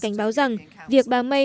cảnh báo rằng việc bà may